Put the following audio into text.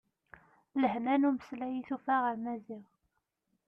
Lehna n umeslay i tufa ɣer Maziɣ.